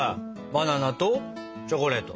バナナとチョコレート。